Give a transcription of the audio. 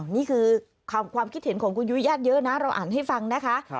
นี่คือความคิดเห็นของคุณยุ้ยญาติเยอะนะเราอ่านให้ฟังนะคะ